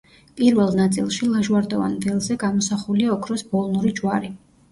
პირველ ნაწილში ლაჟვარდოვან ველზე გამოსახულია ოქროს ბოლნური ჯვარი.